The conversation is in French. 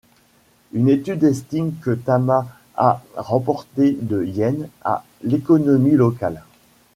Une étude estime que Tama a rapporté de yens à l'économie locale.